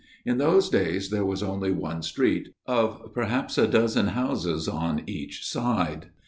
In those days there was only one street, of perhaps a dozen houses on each side.